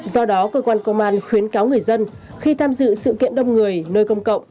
do đó cơ quan công an khuyến cáo người dân khi tham dự sự kiện đông người nơi công cộng